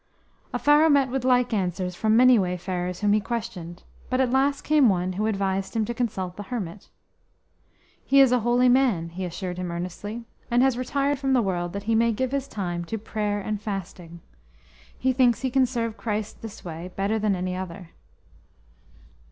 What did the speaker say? Offero met with like answers from many wayfarers whom he questioned, but at last came one who advised him to consult the hermit. "He is a holy man," he assured him earnestly, "and has retired from the world that he may give his time to prayer and fasting. He thinks he can serve Christ this way better than any other."